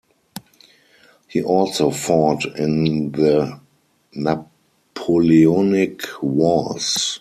He also fought in the Napoleonic Wars.